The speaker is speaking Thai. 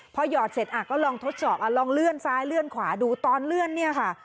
พอหยอดเสร็จก็ลองทดสอบลองเลื่อนซ้ายเลื่อนขวาดูตอนเลื่อนเนี่ยค่ะ